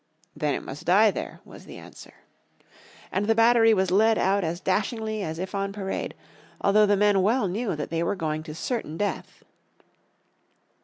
"Then it must die there," was the answer. And the battery was led out as dashingly as if on parade, although the men well knew that they were going to certain death.